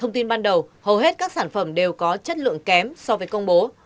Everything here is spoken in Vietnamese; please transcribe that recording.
tất các sản phẩm đều có chất lượng kém so với công bố